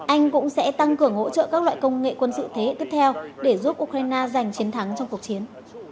anh cũng sẽ tăng cường hỗ trợ các loại công nghệ quân sự thế hệ tiếp theo để giúp ukraine giành chiến thắng trong cuộc chiến